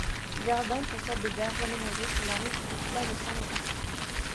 Verdun possède de berges aménagées sur la rive du fleuve Saint-Laurent.